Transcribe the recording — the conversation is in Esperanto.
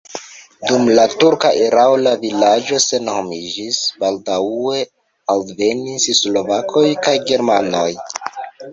Dum la turka erao la vilaĝo senhomiĝis, baldaŭe alvenis slovakoj kaj germanoj.